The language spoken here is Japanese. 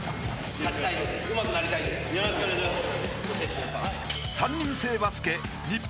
よろしくお願いします。